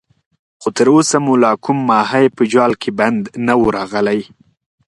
خو تر اوسه مو لا کوم ماهی په جال کې بند نه وو راغلی.